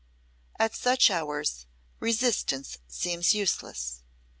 At such hours, resistance seems useless.